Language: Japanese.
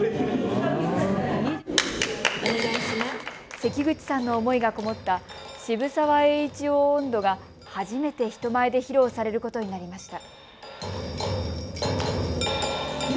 関口さんの思いがこもった渋沢栄一翁音頭が初めて人前で披露されることになりました。